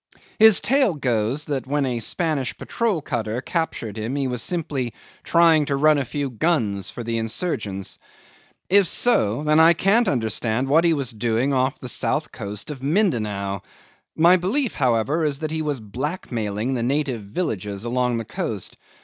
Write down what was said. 'His tale goes that when a Spanish patrol cutter captured him he was simply trying to run a few guns for the insurgents. If so, then I can't understand what he was doing off the south coast of Mindanao. My belief, however, is that he was blackmailing the native villages along the coast.